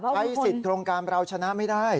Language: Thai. ใช้สิทธิ์โครงการเราชนะไม่ได้